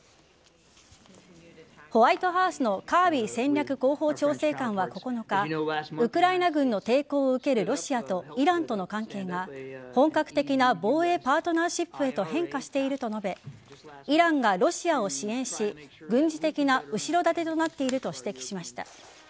ホワイトハウスのカービー戦略広報調整官は９日ウクライナ軍の抵抗を受けるロシアとイランとの関係が本格的な防衛パートナーシップへと変化していると述べイランがロシアを支援し軍事的な後ろ盾となっていると指摘しました。